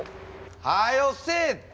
はよせえって！